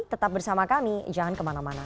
tetap bersama kami jangan kemana mana